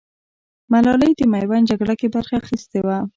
ملالۍ د ميوند جگړه کې برخه اخيستې وه.